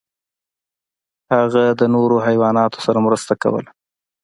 هغه د نورو حیواناتو سره مرسته کوله.